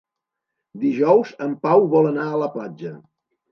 Dijous en Pau vol anar a la platja.